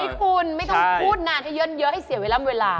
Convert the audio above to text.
เฮ้ยคุณไม่ต้องพูดนานให้เยอะเยอะให้เสียเวลาเวลา